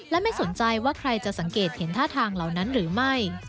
และไม่สนใจว่าใครจะสังเกตเห็นท่าทางเหล่านั้นหรือไม่